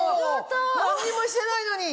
何にもしてないのに！